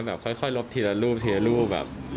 แบบค่อยลบทีละรูปทีละรูปแบบ